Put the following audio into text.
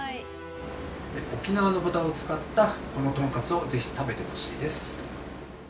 沖縄の豚を使ったこのトンカツをぜひ食べてほしいです。